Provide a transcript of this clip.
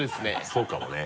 そうかもね。